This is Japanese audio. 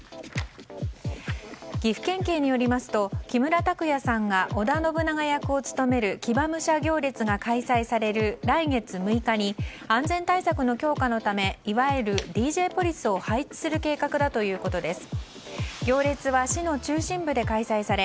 岐阜県警によりますと木村拓哉さんが織田信長役を務める騎馬武者行列が開催される来月６日に安全対策の強化のためいわゆるＤＪポリスを配置する計画だということです。